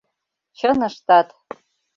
Чын ыштат.